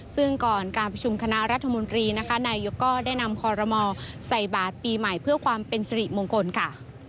ซึ่งก่อนการประชุมคณะรัฐมนตรีนะคะนายกก็ได้นำคอรมอใส่บาทปีใหม่เพื่อความเป็นสิริมงคลค่ะ